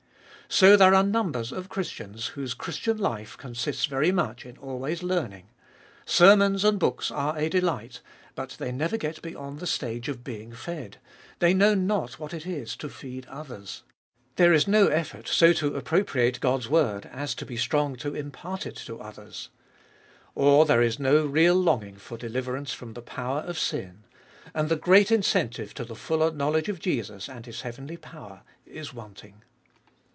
So there are numbers of Christians whose Christian life consists very much in always learning. Sermons and books are a delight, but they never get beyond the stage of being fed; they know not what it is to feed others. There is no effort so to appropriate God's word, as to be strong to impart it to others. Or there is no real longing for deliverance from the power of sin, and the great incentive to the fuller knowledge of Jesus and His heavenly power is wanting.